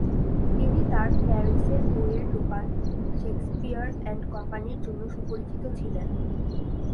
তিনি তার প্যারিসের বইয়ের দোকান শেকসপিয়ার অ্যান্ড কোম্পানির জন্য সুপরিচিত ছিলেন।